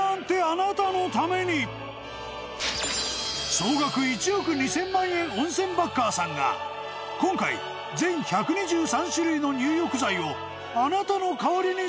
［総額１億２，０００万円温泉バッカーさんが今回全１２３種類の入浴剤をあなたの代わりにチェック］